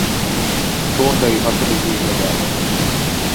A Tordai-hasadék végleg elveszett.